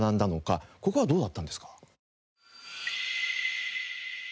ここはどうだったんですか？